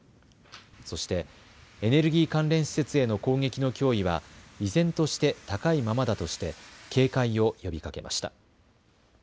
そしてエネルギー関連施設への攻撃の脅威は依然として高いままだとして警戒を呼びかけました。